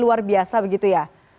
luar biasa begitu ya